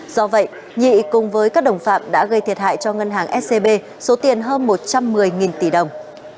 do vậy nhị cùng với các đồng phạm đã gây thiệt hại cho ngân hàng scb số tiền hơn một trăm một mươi tỷ đồng